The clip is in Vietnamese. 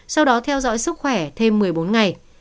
sau đó theo dõi sức khỏe thêm một mươi bốn ngày